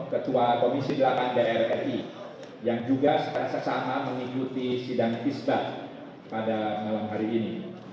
ketua komisi delapan jri yang juga sesama sama mengikuti sidang isbat pada malam hari ini